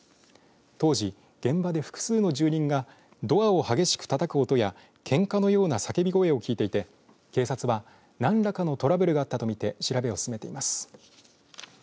当時、現場で複数の住人がドアを激しくたたく音やけんかのような叫び声を聞いていて警察は、何らかのトラブルがあったとみて調べを進めています。